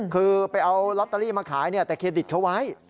คือไปเอาลอตเตอรี่มาขายแต่เครดิตเขาไว้